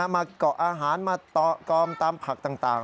มาเกาะอาหารมาต่อกอมตามผักต่าง